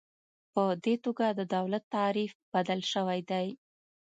په دې توګه د دولت تعریف بدل شوی دی.